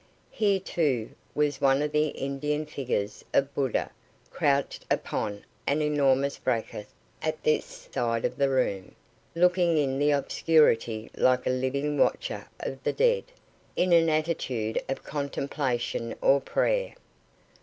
Here, too, was one of the Indian figures of Buddha crouched upon an enormous bracket at this side of the room, looking in the obscurity like a living watcher of the dead, in an attitude of contemplation or prayer.